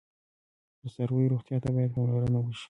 د څارویو روغتیا ته باید پاملرنه وشي.